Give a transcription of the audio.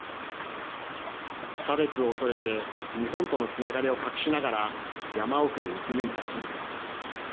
差別を恐れて、日本とのつながりを隠しながら、山奥で生き抜いた日々。